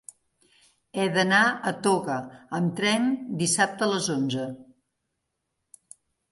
He d'anar a Toga amb tren dissabte a les onze.